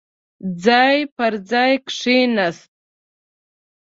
ځای پر ځاې کېناست.